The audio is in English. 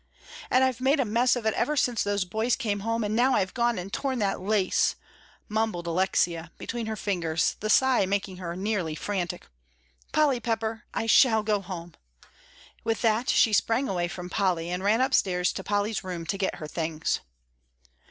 "And I've made a mess of it ever since those boys came home, and now I've gone and torn that lace," mumbled Alexia, between her fingers, the sigh making her nearly frantic. "Polly Pepper, I shall go home," with that she sprang away from Polly, and ran upstairs to Polly's room to get her things.